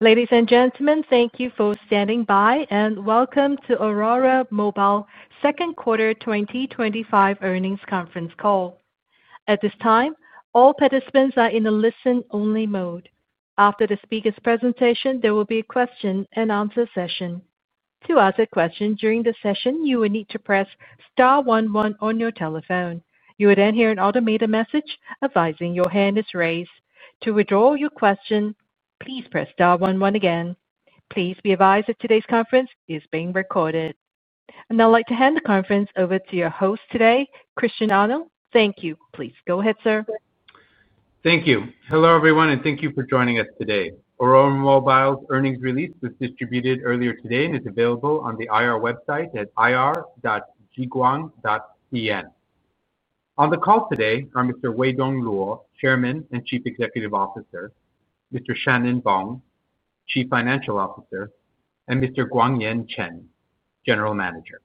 Ladies and gentlemen, thank you for standing by and welcome to Aurora Mobile's Second Quarter 2025 Earnings Conference Call. At this time, all participants are in a listen-only mode. After the speaker's presentation, there will be a question and answer session. To ask a question during the session, you will need to press *11 on your telephone. You will then hear an automated message advising your hand is raised. To withdraw your question, please press *11 again. Please be advised that today's conference is being recorded. I'd like to hand the conference over to your host today, Christian Arnell. Thank you. Please go ahead, sir. Thank you. Hello everyone, and thank you for joining us today. Aurora Mobile's earnings release was distributed earlier today and is available on the IR website at ir.gguang.cn. On the call today are Mr. Weidong Luo, Chairman and Chief Executive Officer, Mr. Shan-Nen Bong, Chief Financial Officer, and Mr. Guangyan Chen, General Manager.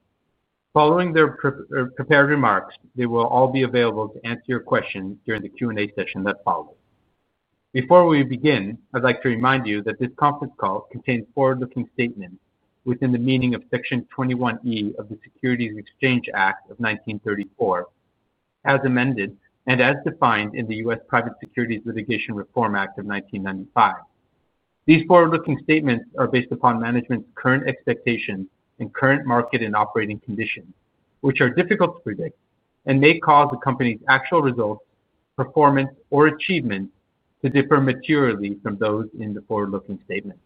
Following their prepared remarks, they will all be available to answer your questions during the Q&A session that follows. Before we begin, I'd like to remind you that this conference call contains forward-looking statements within the meaning of Section 21E of the Securities Exchange Act of 1934, as amended and as defined in the U.S. Private Securities Litigation Reform Act of 1995. These forward-looking statements are based upon management's current expectations and current market and operating conditions, which are difficult to predict and may cause the company's actual results, performance, or achievements to differ materially from those in the forward-looking statements.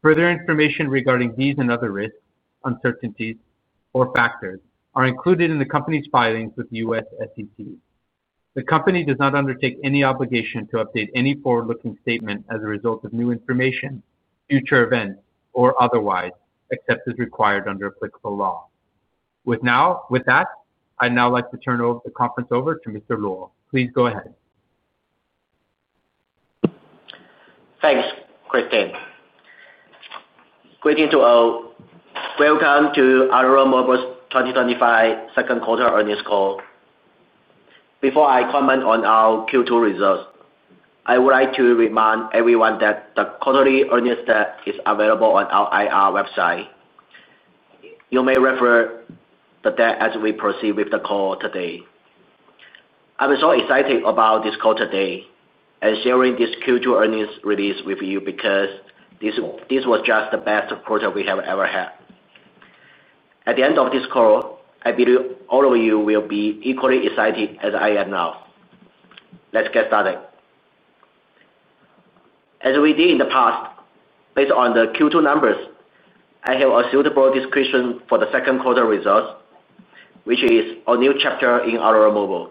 Further information regarding these and other risks, uncertainties, or factors is included in the company's filings with the U.S. SEC. The company does not undertake any obligation to update any forward-looking statement as a result of new information, future events or otherwise, except as required under applicable law. With that, I would now like to turn the conference over to Mr. Luo. Please go ahead. Thanks, Christian. Good evening to all. Welcome to Aurora Mobile's 2025 Second Quarter Earnings Call. Before I comment on our Q2 results, I would like to remind everyone that the quarterly earnings data is available on our IR website. You may refer to the data as we proceed with the call today. I'm so excited about this call today and sharing this Q2 earnings release with you because this was just the best quarter we have ever had. At the end of this call, I believe all of you will be equally excited as I am now. Let's get started. As we did in the past, based on the Q2 numbers, I have a suitable description for the second quarter results, which is a new chapter in Aurora Mobile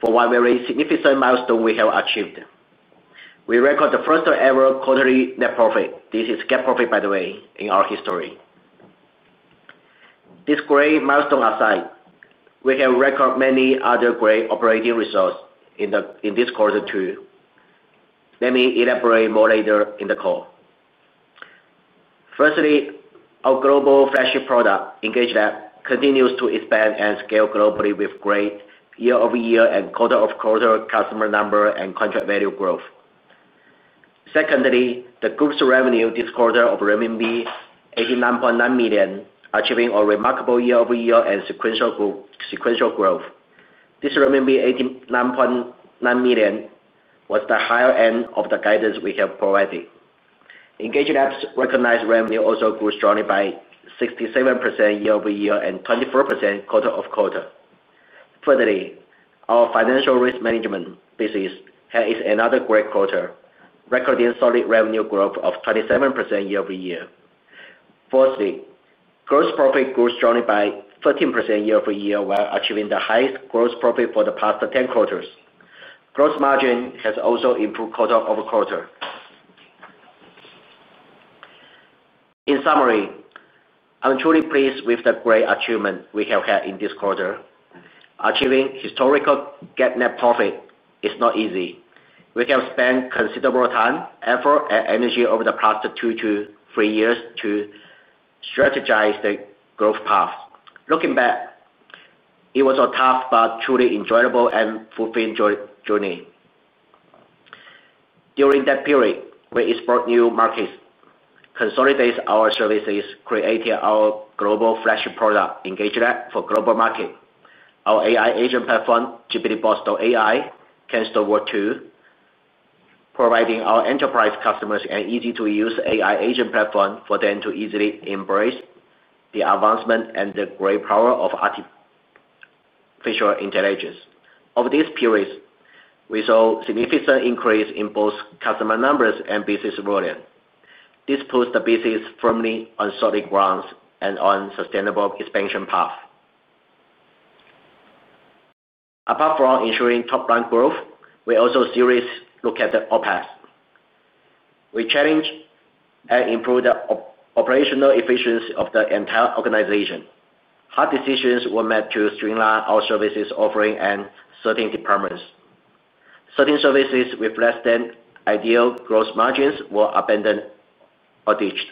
for one very significant milestone we have achieved. We record the first-ever quarterly net profit. This is net profit, by the way, in our history. This great milestone aside, we have recorded many other great operating results in this quarter too, let me elaborate more later in the call. Firstly, our global flagship product, EngageLab, continues to expand and scale globally with great year-over-year and quarter-over-quarter customer number and contract value growth. Secondly, the group's revenue this quarter is $89.9 million, achieving a remarkable year-over-year and sequential growth. This revenue of $89.9 million was the higher end of the guidance we have provided. EngageLab's recognized revenue also grew strongly by 67% year-over-year and 24% quarter-over-quarter. Thirdly, our Financial Risk Management business had another great quarter, recording solid revenue growth of 27% year-over-year. Fourthly, gross profit grew strongly by 13% year-over-year while achieving the highest gross profit for the past 10 quarters. Gross margin has also improved quarter over quarter. In summary, I'm truly pleased with the great achievement we have had in this quarter. Achieving historical net profit is not easy. We have spent considerable time, effort, and energy over the past two to three years to strategize the growth path. Looking back, it was a tough but truly enjoyable and fulfilling journey. During that period, we explored new markets, consolidated our services, created our global flagship product, EngageLab, for the global market. Our AI agent platform, GPTBots.ai, can support too, providing our enterprise customers an easy-to-use AI agent platform for them to easily embrace the advancement and the great power of artificial intelligence. Over this period, we saw a significant increase in both customer numbers and business volume. This puts the business firmly on solid ground and on a sustainable expansion path. Apart from ensuring top-line growth, we also seriously looked at the OpEx. We challenged and improved the operational efficiency of the entire organization. Hard decisions were made to streamline our services offering and certain departments. Certain services with less than ideal gross margins were abandoned or ditched.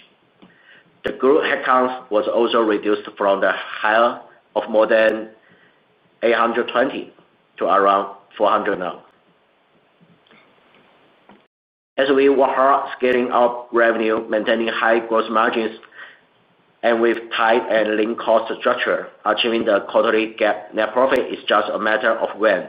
The group headcount was also reduced from the high of more than 820 to around 400 now. As we work hard at scaling up revenue, maintaining high gross margins, and with tight and lean cost structure, achieving the quarterly net profit is just a matter of when.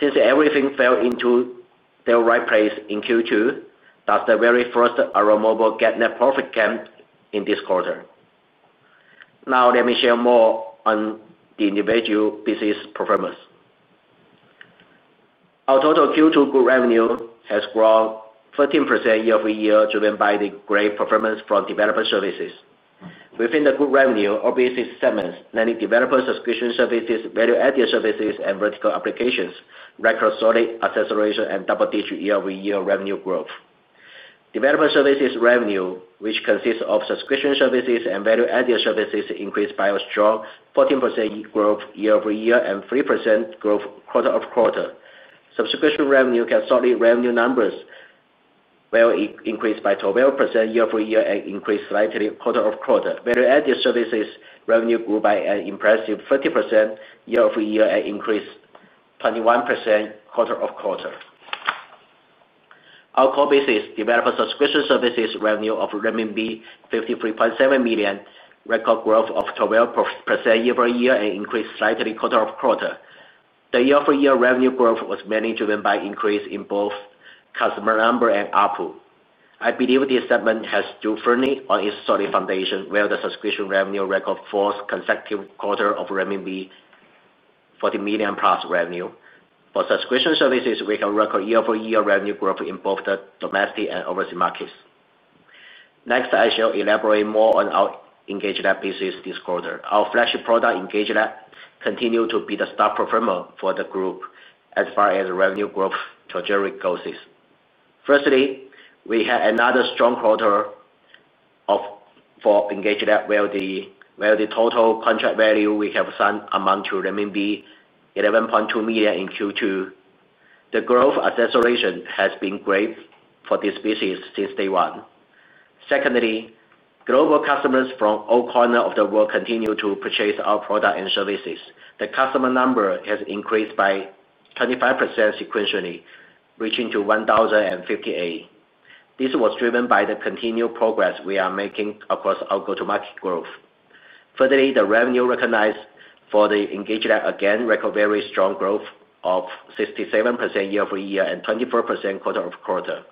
Since everything fell into the right place in Q2, that's the very first Aurora Mobile net profit gain in this quarter. Now, let me share more on the individual business performance. Our total Q2 group revenue has grown 13% year-over-year, driven by the great performance from developer services. Within the group revenue, our business segments, namely Developer Subscription Services, Value-Added Services, and vertical applications, record solid acceleration and double-digit year-over-year revenue growth. Developer services revenue, which consists of subscription services and value-added services, increased by a strong 14% growth year-over-year and 3% growth quarter over quarter. Subscription revenue can solid revenue numbers where it increased by 12% year-over-year and increased slightly quarter over quarter. Value-Added Services revenue grew by an impressive 30% year-over-year and increased 21% quarter over quarter. Our core business, Developer Subscription Services revenue of renminbi 53.7 million, record growth of 12% year-over-year and increased slightly quarter over quarter. The year-over-year revenue growth was mainly driven by increase in both customer number and output. I believe this segment has stood firmly on its solid foundation where the subscription revenue record forced consecutive quarters of renminbi 40 million plus revenue. For subscription services, we have record year-over-year revenue growth in both the domestic and overseas markets. Next, I shall elaborate more on our EngageLab business this quarter. Our flagship product, EngageLab, continues to be the stock performer for the group as far as revenue growth trajectory goes. Firstly, we had another strong quarter for EngageLab, where the total contract value we have signed amounted to 11.2 million in Q2. The growth acceleration has been great for this business since day one. Secondly, global customers from all corners of the world continue to purchase our product and services. The customer number has increased by 25% sequentially, reaching 1,058. This was driven by the continued progress we are making across our go-to-market growth. Furtherly, the revenue recognized for the EngageLab again records very strong growth of 67% year-over-year and 24% quarter over quarter.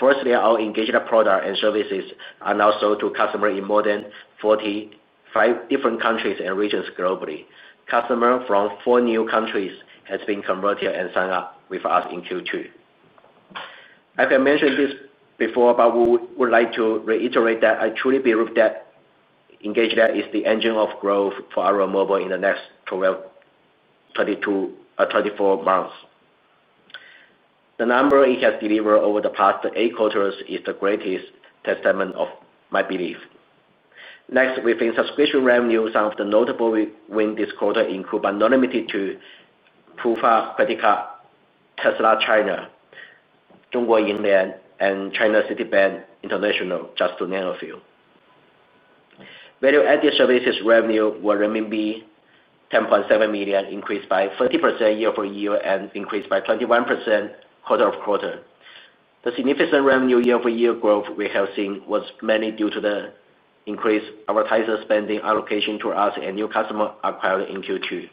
Firstly, our EngageLab product and services are now sold to customers in more than 45 different countries and regions globally. Customers from four new countries have been converted and signed up with us in Q2. I've mentioned this before, but I would like to reiterate that I truly believe that EngageLab is the engine of growth for Aurora Mobile in the next 12 to 24 months. The number it has delivered over the past eight quarters is the greatest testament of my belief. Next, within subscription revenue, some of the notable wins this quarter include but are not limited to Pufa, credit card, Tesla China, Dongguo Yinlei and China City Bank International, just to name a few. Value-Added Services revenue was 10.7 million, increased by 30% year-over-year and increased by 21% quarter-over-quarter. The significant revenue year-over-year growth we have seen was mainly due to the increased advertiser spending allocation to us and new customer acquired in Q2.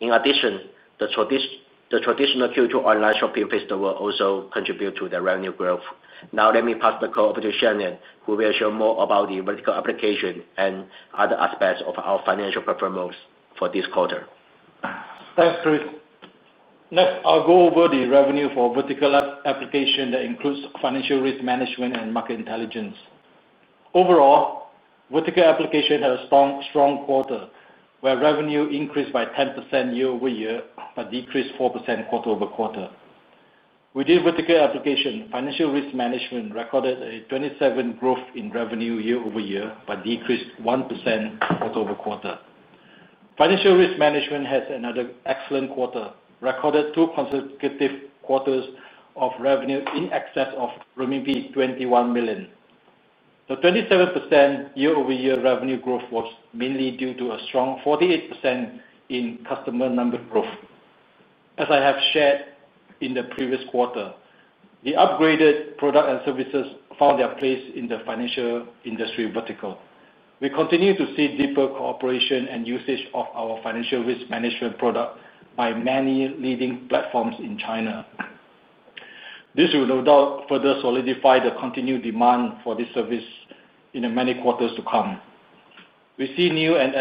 In addition, the traditional Q2 online shopping festivals also contributed to the revenue growth. Now, let me pass the call over to Shan-Nen, who will share more about the vertical application and other aspects of our financial performance for this quarter. Thanks. Let's go over the revenue for vertical application that includes Financial Risk Management and Market Intelligence. Overall, vertical application had a strong quarter where revenue increased by 10% year-over-year but decreased 4% quarter-over-quarter. Within vertical application, Financial Risk Management recorded a 27% growth in revenue year-over-year but decreased 1% quarter-over-quarter. Financial Risk Management had another excellent quarter, recording two consecutive quarters of revenue in excess of RMB 21 million. The 27% year-over-year revenue growth was mainly due to a strong 48% in customer number growth. As I have shared in the previous quarter, the upgraded product and services found their place in the financial industry vertical. We continue to see deeper cooperation and usage of our Financial Risk Management product by many leading platforms in China. This will no doubt further solidify the continued demand for this service in the many quarters to come. We see new and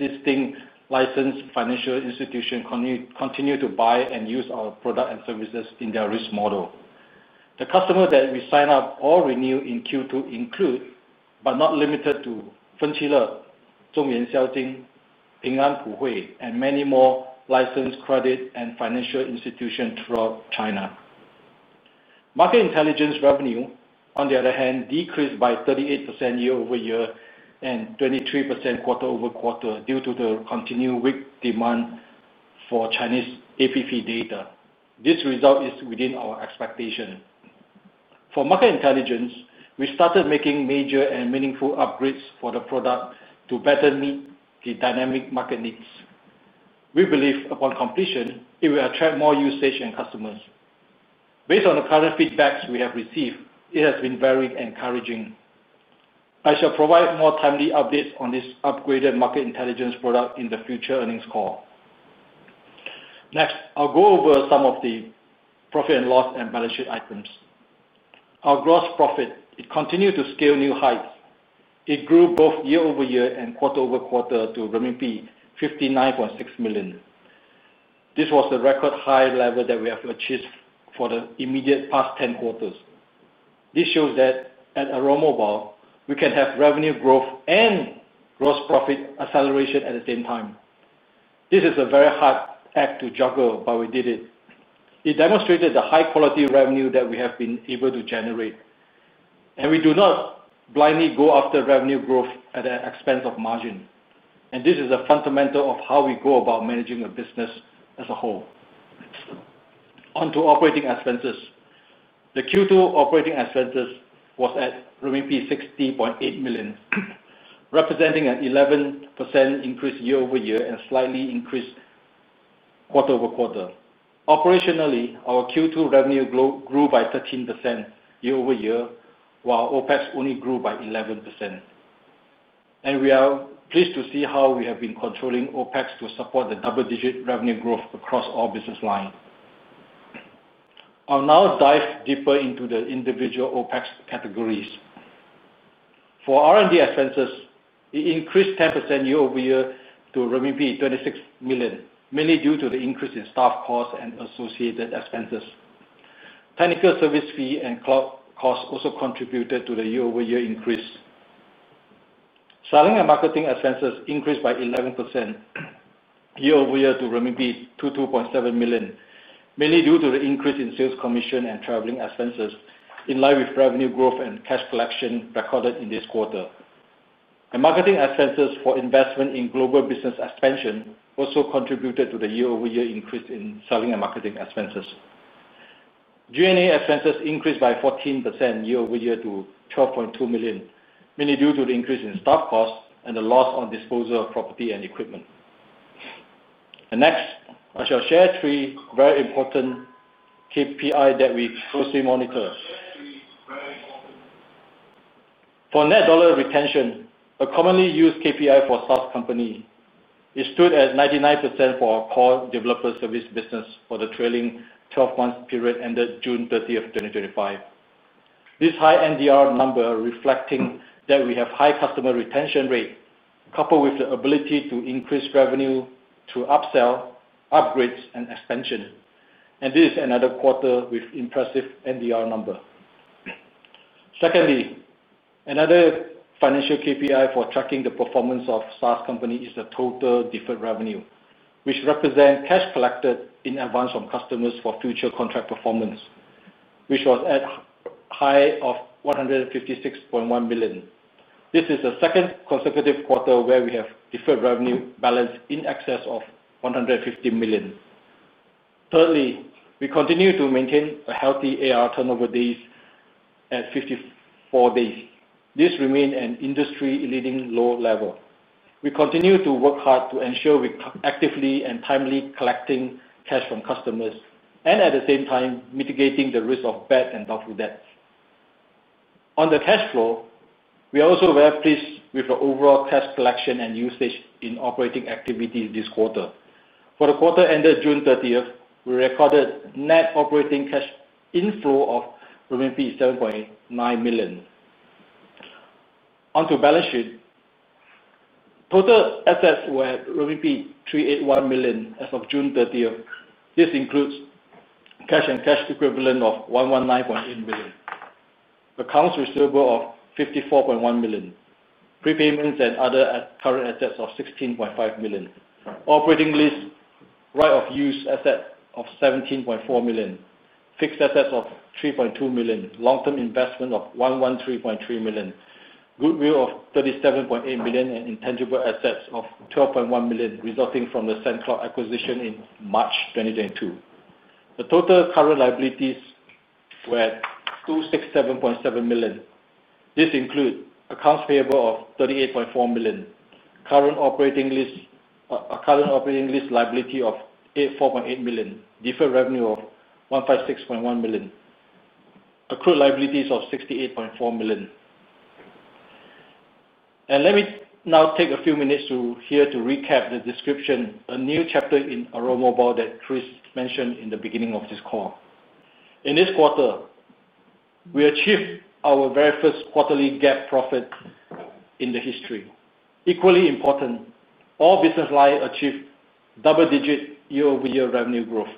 existing licensed financial institutions continue to buy and use our product and services in their risk model. The customers that we sign up or renew in Q2 include, but not limited to, Fengqi Le, Zhongming Xiaoting, Ping An, Kuhui, and many more licensed credit and financial institutions throughout China. Market Intelligence revenue, on the other hand, decreased by 38% year-over-year and 23% quarter-over-quarter due to the continued weak demand for Chinese app data. This result is within our expectation. For Market Intelligence, we started making major and meaningful upgrades for the product to better meet the dynamic market needs. We believe upon completion, it will attract more usage and customers. Based on the current feedback we have received, it has been very encouraging. I shall provide more timely updates on this upgraded Market Intelligence product in the future earnings call. Next, I'll go over some of the profit and loss and balance sheet items. Our gross profit, it continued to scale new heights. It grew both year-over-year and quarter over quarter to RMB 59.6 million. This was the record high level that we have achieved for the immediate past 10 quarters. This shows that at Aurora Mobile, we can have revenue growth and gross profit acceleration at the same time. This is a very hard act to juggle, but we did it. It demonstrated the high-quality revenue that we have been able to generate. We do not blindly go after revenue growth at the expense of margin. This is a fundamental of how we go about managing a business as a whole. On to operating expenses. The Q2 operating expenses were at RMB 60.8 million, representing an 11% increase year-over-year and slightly increased quarter over quarter. Operationally, our Q2 revenue grew by 13% year-over-year, while OpEx only grew by 11%. We are pleased to see how we have been controlling OpEx to support the double-digit revenue growth across all business lines. I'll now dive deeper into the individual OpEx categories. For R&D expenses, it increased 10% year-over-year to RMB 26 million, mainly due to the increase in staff costs and associated expenses. Technical service fees and cloud costs also contributed to the year-over-year increase. Selling and marketing expenses increased by 11% year-over-year to 22.7 million, mainly due to the increase in sales commission and traveling expenses in line with revenue growth and cash collection recorded in this quarter. Marketing expenses for investment in global business expansion also contributed to the year-over-year increase in selling and marketing expenses. G&A expenses increased by 14% year-over-year to 12.2 million, mainly due to the increase in staff costs and the loss on disposal of property and equipment. Next, I shall share three very important KPIs that we closely monitor. For net dollar retention, a commonly used KPI for SaaS companies, it stood at 99% for our core developer service business for the trailing 12-month period ended June 30, 2025. This high NDR number reflects that we have a high customer retention rate coupled with the ability to increase revenue through upsell, upgrades, and expansion. This is another quarter with an impressive NDR number. Secondly, another financial KPI for tracking the performance of SaaS companies is the total deferred revenue, which represents cash collected in advance from customers for future contract performance, which was at a high of 156.1 million. This is the second consecutive quarter where we have deferred revenue balanced in excess of 150 million. Thirdly, we continue to maintain a healthy AR turnover days at 54 days. This remains an industry-leading low level. We continue to work hard to ensure we are actively and timely collecting cash from customers and at the same time mitigating the risk of bad and doubtful debt. On the cash flow, we are also very pleased with the overall cash collection and usage in operating activities this quarter. For the quarter ended June 30, we recorded net operating cash inflow of 7.9 million. On to balance sheet, total assets were at 381 million as of June 30. This includes cash and cash equivalent of 119.8 million, accounts receivable of 54.1 million, prepayments and other current assets of 16.5 million, operating lease right of use assets of 17.4 million, fixed assets of 3.2 million, long-term investment of 113.3 million, goodwill of 37.8 million, and intangible assets of 12.1 million resulting from the SendCloud acquisition in March 2022. The total current liabilities were at 267.7 million. This includes accounts payable of 38.4 million, current operating lease liability of 84.8 million, deferred revenue of 156.1 million, and accrued liabilities of 68.4 million. Let me now take a few minutes here to recap the description, a new chapter in Aurora Mobile that Chris mentioned in the beginning of this call. In this quarter, we achieved our very first quarterly GAAP profit in the history. Equally important, all business lines achieved double-digit year-over-year revenue growth.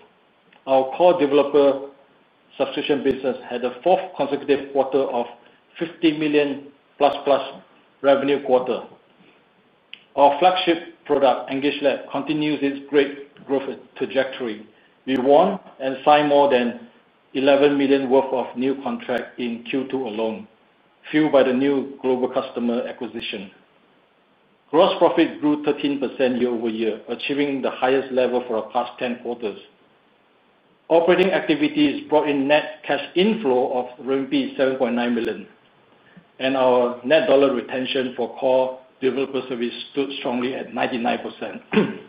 Our core Developer Subscription Services business had a fourth consecutive quarter of RMB 50++ million revenue quarter. Our flagship product, EngageLab, continues its great growth trajectory. We won and signed more than 11 million worth of new contracts in Q2 alone, fueled by the new global customer acquisition. Gross profit grew 13% year-over-year, achieving the highest level for the past 10 quarters. Operating activities brought in net cash inflow of RMB 7.9 million. Our net dollar retention for core developer service stood strongly at 99%.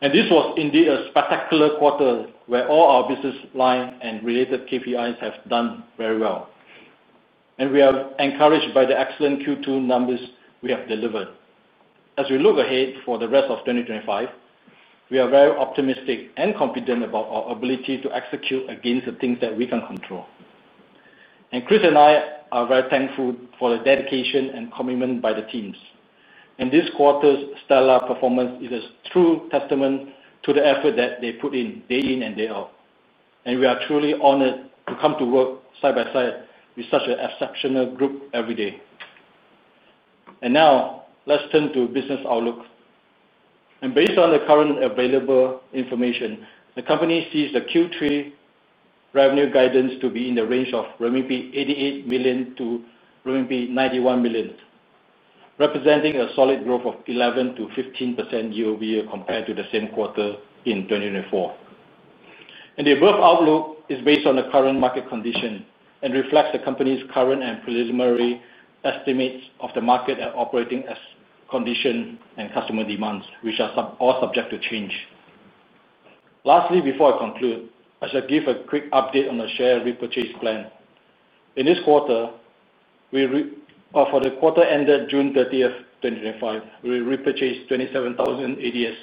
This was indeed a spectacular quarter where all our business lines and related KPIs have done very well. We are encouraged by the excellent Q2 numbers we have delivered. As we look ahead for the rest of 2025, we are very optimistic and confident about our ability to execute against the things that we can control. Chris and I are very thankful for the dedication and commitment by the teams. This quarter's stellar performance is a true testament to the effort that they put in day in and day out. We are truly honored to come to work side by side with such an exceptional group every day. Now, let's turn to business outlook. Based on the current available information, the company sees the Q3 revenue guidance to be in the range of 88 million-91 million RMB, representing a solid growth of 11% to 15% year-over-year compared to the same quarter in 2024. The above outlook is based on the current market condition and reflects the company's current and preliminary estimates of the market operating condition and customer demands, which are all subject to change. Lastly, before I conclude, I shall give a quick update on the share repurchase plan. In this quarter, for the quarter ended June 30th, 2025, we repurchased 27,000 ADS.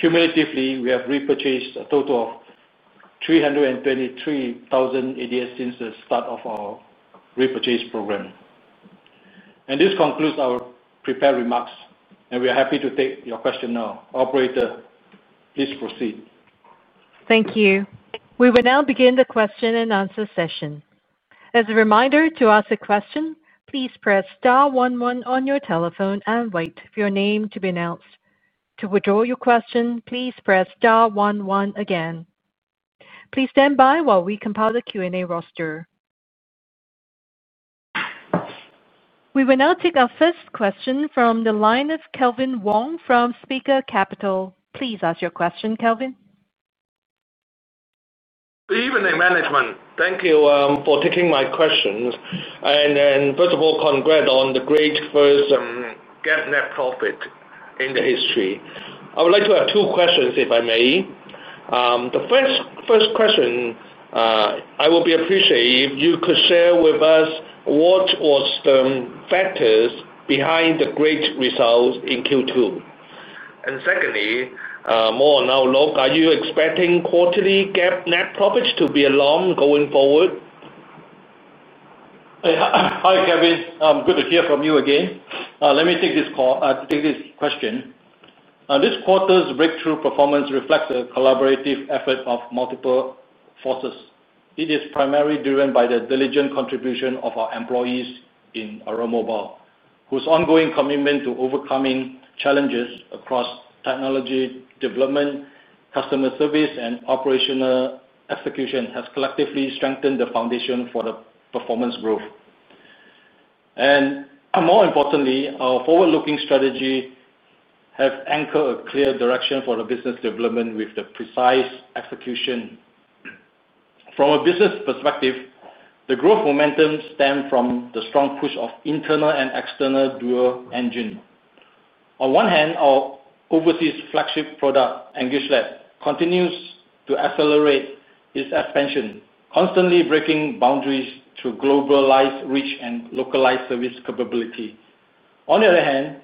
Cumulatively, we have repurchased a total of 323,000 ADS since the start of our repurchase program. This concludes our prepared remarks. We are happy to take your questions now. Operator, please proceed. Thank you. We will now begin the question and answer session. As a reminder, to ask a question, please press *11 on your telephone and wait for your name to be announced. To withdraw your question, please press *11 again. Please stand by while we compile the Q&A roster. We will now take our first question from the line of Calvin Wong from Spica Capital. Please ask your question, Calvin. Good evening, management. Thank you for taking my questions. First of all, congrats on the great first GAAP net profit in the history. I would like to have two questions, if I may. The first question, I would appreciate if you could share with us what were the factors behind the great results in Q2. Secondly, more on our long, are you expecting quarterly GAAP net profits to be alarming going forward? Hi, Calvin. Good to hear from you again. Let me take this question. This quarter's breakthrough performance reflects a collaborative effort of multiple forces. It is primarily driven by the diligent contribution of our employees in Aurora Mobile, whose ongoing commitment to overcoming challenges across technology development, customer service, and operational execution has collectively strengthened the foundation for the performance growth. More importantly, our forward-looking strategy has anchored a clear direction for the business development with the precise execution. From a business perspective, the growth momentum stems from the strong push of internal and external dual engines. On one hand, our overseas flagship product, EngageLab, continues to accelerate its expansion, constantly breaking boundaries to globalize reach and localize service capability. On the other hand,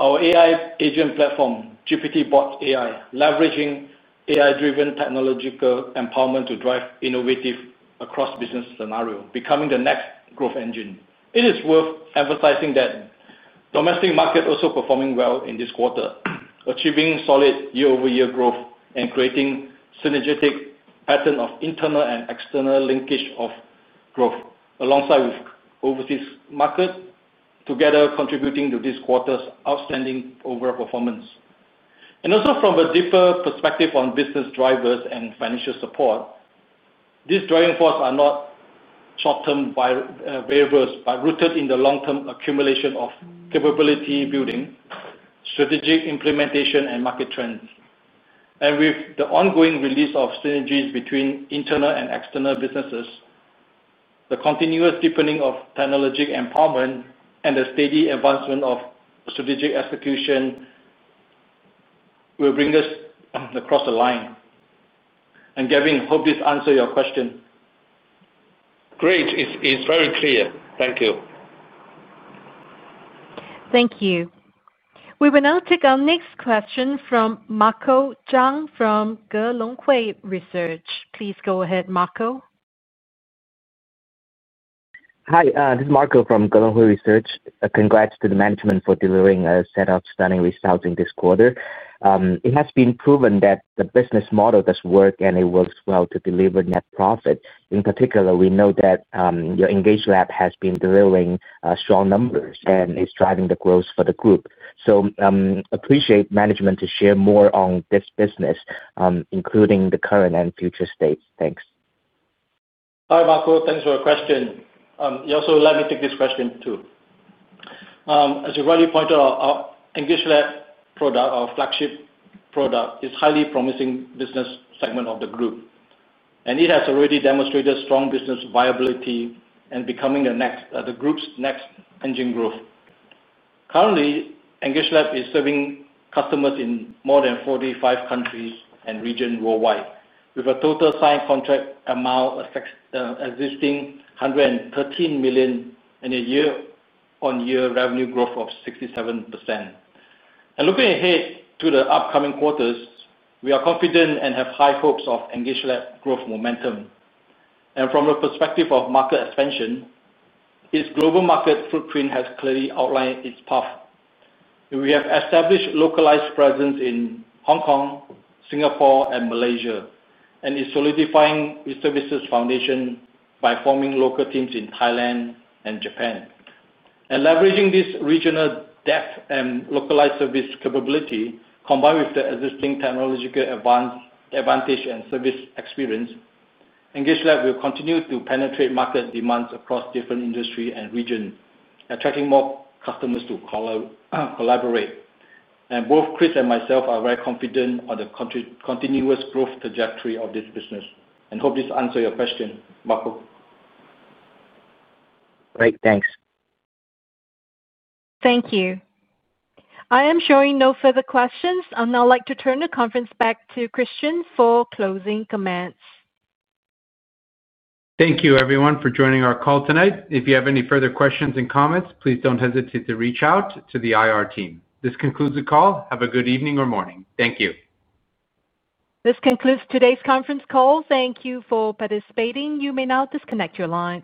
our AI agent platform, GPTBots.ai, leveraging AI-driven technological empowerment to drive innovation across business scenarios, becoming the next growth engine. It is worth emphasizing that the domestic market is also performing well in this quarter, achieving solid year-over-year growth and creating a synergetic pattern of internal and external linkage of growth alongside the overseas market, together contributing to this quarter's outstanding overall performance. Also, from a deeper perspective on business drivers and financial support, these driving forces are not short-term variables, but rooted in the long-term accumulation of capability building, strategic implementation, and market trends. With the ongoing release of synergies between internal and external businesses, the continuous deepening of technological empowerment and the steady advancement of strategic execution will bring us across the line. Calvin, hope this answers your question. Great. It's very clear. Thank you. Thank you. We will now take our next question from Marco Zhang from Gelonghui Research. Please go ahead, Marco. Hi, this is Marco from Gelonghui Research. Congrats to the management for delivering a set of stunning results in this quarter. It has been proven that the business model does work and it works well to deliver net profit. In particular, we know that your EngageLab has been delivering strong numbers and is driving the growth for the group. I appreciate management to share more on this business, including the current and future states. Thanks. Hi, Marco. Thanks for your question. Yeah, let me take this question too. As you rightly pointed out, our EngageLab product, our flagship product, is a highly promising business segment of the group. It has already demonstrated strong business viability and is becoming the group's next engine growth. Currently, EngageLab is serving customers in more than 45 countries and regions worldwide, with a total signed contract amount of 113 million and a year-on-year revenue growth of 67%. Looking ahead to the upcoming quarters, we are confident and have high hopes of EngageLab's growth momentum. From the perspective of market expansion, its global market footprint has clearly outlined its path. We have established a localized presence in Hong Kong, Singapore, and Malaysia, and are solidifying the services foundation by forming local teams in Thailand and Japan. Leveraging this regional depth and localized service capability, combined with the existing technological advantage and service experience, EngageLab will continue to penetrate market demands across different industries and regions, attracting more customers to collaborate. Both Chris and myself are very confident of the continuous growth trajectory of this business. Hope this answers your question, Marco. Great. Thanks. Thank you. I am showing no further questions. I'll now like to turn the conference back to Christian Arnold for closing comments. Thank you, everyone, for joining our call tonight. If you have any further questions and comments, please don't hesitate to reach out to the IR team. This concludes the call. Have a good evening or morning. Thank you. This concludes today's conference call. Thank you for participating. You may now disconnect your lines.